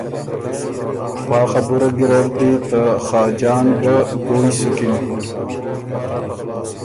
پا خبُره ګیرډ دی ته خاجان ګه ګویٛ سُکِن